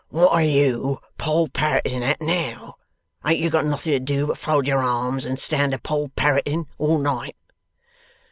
'What are you Poll Parroting at now? Ain't you got nothing to do but fold your arms and stand a Poll Parroting all night?